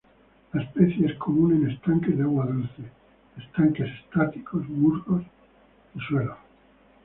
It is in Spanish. La especie es común en estanques de agua dulce, estanques estáticos, musgos y suelos.